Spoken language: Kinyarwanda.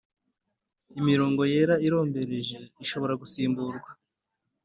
Imirongo yera irombereje ishobora gusimburwa